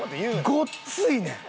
ごっついねん。